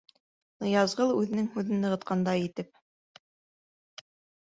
Ныязғол үҙенең һүҙен нығытҡандай итеп: